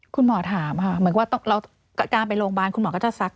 คุณหมอถามค่ะเหมือนว่าการไปโรงพยาบาลคุณหมอก็จะซัก